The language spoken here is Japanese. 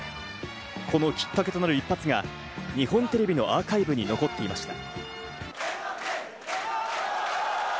このきっかけとなる一発が日本テレビのアーカイブに残っていました。